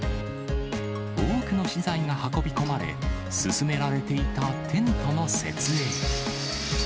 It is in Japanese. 多くの資材が運び込まれ、進められていたテントの設営。